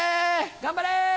頑張れ！